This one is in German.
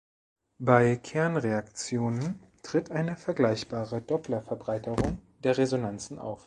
Bei Kernreaktionen tritt eine vergleichbare Doppler-Verbreiterung der Resonanzen auf.